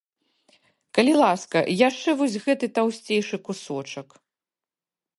Калі ласка, яшчэ вось гэты таўсцейшы кусочак.